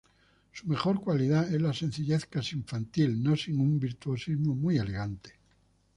Su mejor cualidad es la sencillez casi infantil, no sin un virtuosismo muy elegante.